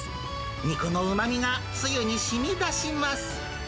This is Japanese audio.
肉のうまみが、つゆにしみだします。